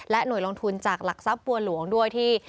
หน่วยลงทุนจากหลักทรัพย์บัวหลวงด้วยที่